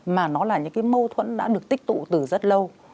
mà nó là những cái mâu thuẫn đã được tích tụ từ rất lâu